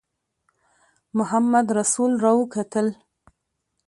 محمدرسول را وکتل.